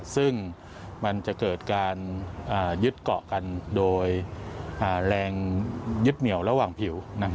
ซึ่งมันจะเกิดการยึดเกาะกันโดยแรงยึดเหนี่ยวระหว่างผิว